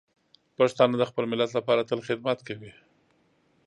پښتانه د خپل ملت لپاره تل خدمت کوي.